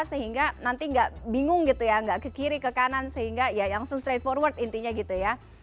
sehingga nanti nggak bingung gitu ya nggak ke kiri ke kanan sehingga ya langsung straight forward intinya gitu ya